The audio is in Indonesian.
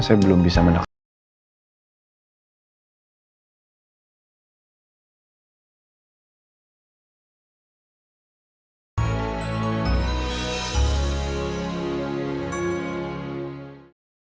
saya belum bisa menekan